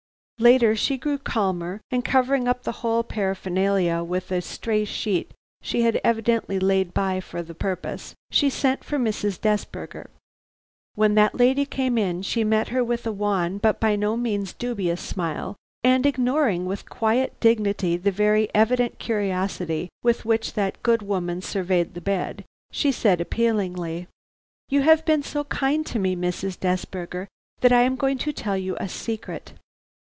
"Later she grew calmer, and covering up the whole paraphernalia with a stray sheet she had evidently laid by for the purpose, she sent for Mrs. Desberger. When that lady came in she met her with a wan but by no means dubious smile, and ignoring with quiet dignity the very evident curiosity with which that good woman surveyed the bed, she said appealingly: "'You have been so kind to me, Mrs. Desberger, that I am going to tell you a secret.